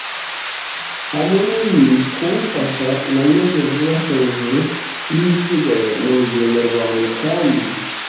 Hamwe nibi kumfasha, nanyuze vuba hejuru y'ibisigaye mu rugendo rwanjye, kandi